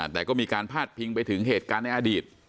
แต่ก็มีการพาดพิงไปถึงเหตุการณ์ในอดีต